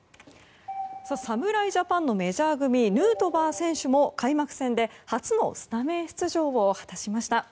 侍ジャパンのメジャー組ヌートバー選手も開幕戦で初のスタメン出場を果たしました。